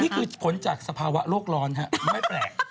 นี่คือผลจากสภาวะโลกร้อนไม่แปลก